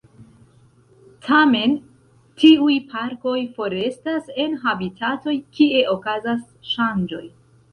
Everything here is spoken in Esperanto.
Tamen, tiuj parkoj forestas en habitatoj kie okazas ŝanĝoj.